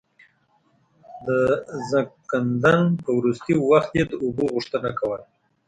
د ځنکدن په وروستی وخت يې د اوبو غوښتنه کوله.